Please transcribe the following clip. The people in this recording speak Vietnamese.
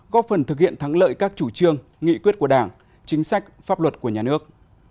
góp phần thực hiện thắng lợi các chủ trương nghị quyết của đảng chính sách pháp luật của nhà nước